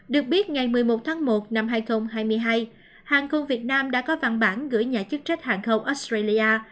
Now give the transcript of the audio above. được biết ngày một mươi một tháng một năm hai nghìn hai mươi hai hàng không việt nam đã có văn bản gửi nhà chức trách hàng không australia